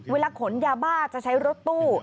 ขนยาบ้าจะใช้รถตู้